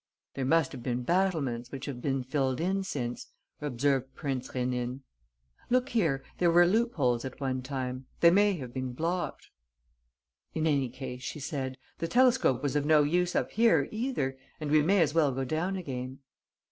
"There must have been battlements which have been filled in since," observed Prince Rénine. "Look here, there were loop holes at one time. They may have been blocked." "In any case," she said, "the telescope was of no use up here either and we may as well go down again."